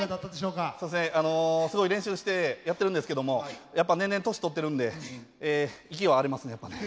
すごい練習してやってるんですけどもやっぱ年々年取ってるんで息は上がりますねやっぱね。